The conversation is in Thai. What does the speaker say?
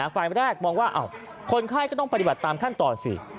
ฝ่ายแรกมองว่าคนไข้ก็ต้องปฏิบัติตามขั้นตอนสิ